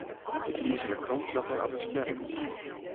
Ik lies yn 'e krante dat er arrestearre wie.